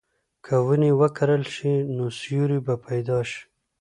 که ونې وکرل شي، نو سیوری به پیدا شي.